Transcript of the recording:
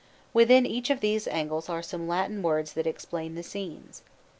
Within each of these angles are some Latin words that explain the scenes.